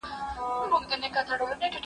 هغه څوک چې اوبه څښي روغ وي!!